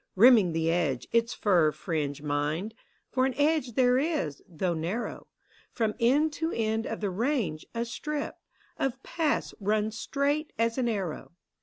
Rimming the edge, its fir fringe, mind ! For an edge there is, though narrow ; From end to end of the range, a strip Of path runs straight as an arrow.